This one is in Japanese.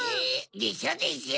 でしょでしょ！